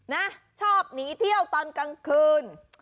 นะชอบหนีเที่ยวตอนกลางคืน